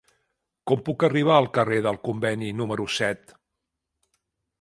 Com puc arribar al carrer del Conveni número set?